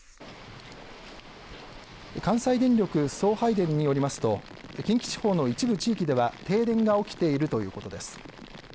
関西電力送配電によりますと近畿地方の一部地域では停電が起きているということです。